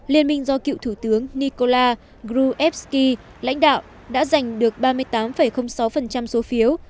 liên minh do cựu thủ tướng nikola gruevski lãnh đạo đã giành được ba mươi tám sáu số phiếu